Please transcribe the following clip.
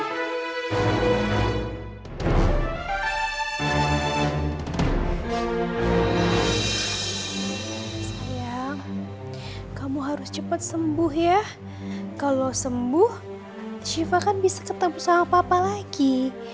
ya kamu harus cepat sembuh ya kalau sembuh shiva kan bisa ketemu sama papa lagi